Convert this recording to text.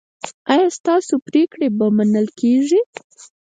ایا ستاسو پریکړې به منل کیږي؟